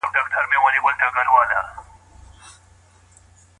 د ميرمني احسانونه ومني.